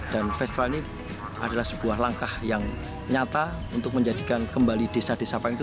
dan festival ini adalah sebuah langkah yang nyata untuk menjadikan kembali desa desa payung itu